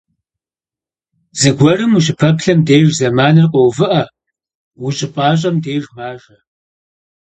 Зыгуэрым ущыпэплъэм деж зэманыр къоувыӏэ, ущыпӏащӏэм деж - мажэ.